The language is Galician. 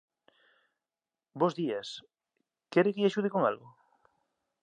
Bos días. Quere que lle axude con algo?